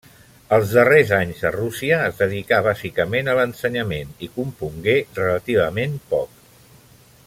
Els darrers anys a Rússia es dedicà bàsicament a l'ensenyament i compongué relativament poc.